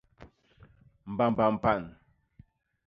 Mbamba mpan.